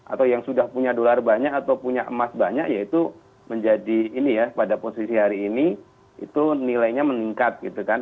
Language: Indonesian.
atau yang sudah punya dolar banyak atau punya emas banyak yaitu menjadi ini ya pada posisi hari ini itu nilainya meningkat gitu kan